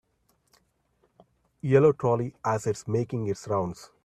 Yellow Trolley as it 's making its rounds.